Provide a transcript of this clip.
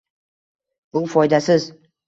Bu foydasiz